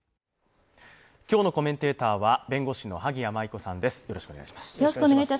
今日のコメンテーターは弁護士の萩谷麻衣子さんです。